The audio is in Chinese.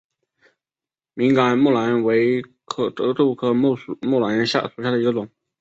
敏感木蓝为豆科木蓝属下的一个种。